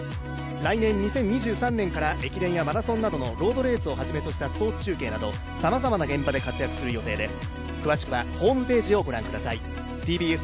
来年２０２３年から駅伝やマラソンなどのロードレースをはじめとしたスポーツ中継など駅伝中継を目指します。